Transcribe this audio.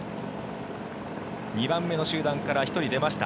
２番目の集団から１人出ました。